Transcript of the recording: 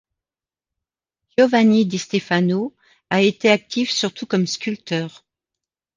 Giovanni di Stefano a été actif surtout comme sculpteur.